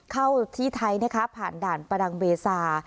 เข้าที่ไทยนะคะผ่านด่านประดังเบซา